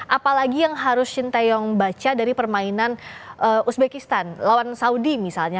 apalagi yang harus shin taeyong baca dari permainan uzbekistan lawan saudi misalnya